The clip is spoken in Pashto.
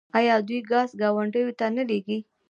آیا دوی ګاز ګاونډیو ته نه لیږي؟